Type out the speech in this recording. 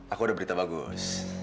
aku ada berita bagus